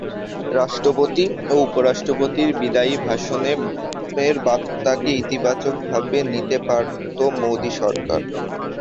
রাষ্ট্রপতি ও উপরাষ্ট্রপতির বিদায়ী ভাষণের বার্তাকে ইতিবাচকভাবে নিতে পারত মোদি সরকার।